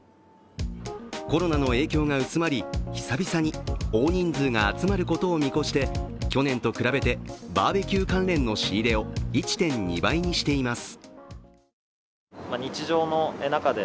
コロナの影響が薄まり、久々に大人数が集まることを見越して去年と比べてバーベキュー関連の仕入れを１．２倍にしています。